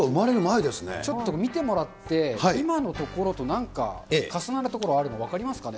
ちょっと見てもらって、今の所となんか重なるところあるの分かりますかね。